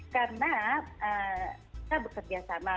karena kita bekerja sama